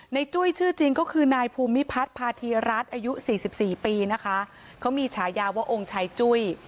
จุ้ยชื่อจริงก็คือนายภูมิพัฒน์พาธีรัฐอายุสี่สิบสี่ปีนะคะเขามีฉายาว่าองค์ชายจุ้ย